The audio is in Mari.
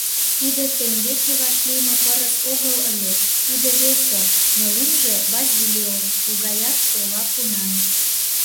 Тиде теҥгече вашлийме пырыс огыл ыле, тиде весе, но лӱмжӧ Базилио, тугаяк ола пунан.